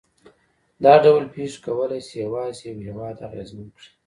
دا ډول پېښې کولای شي یوازې یو هېواد اغېزمن کړي.